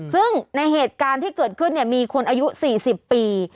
ซึ่งในเหตุการณ์ที่เกิดขึ้นมีคนอายุ๔๐ปี